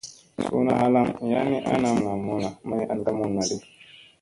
Suuna halaŋ yan ni ana mulla mulla, may an ka mulla di.